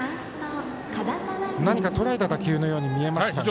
何かとらえた打球のように見えましたが。